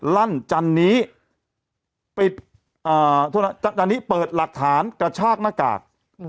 ลั่นจันนี้อ่าท่านิเปิดหลักฐานกระฉากหน้ากาก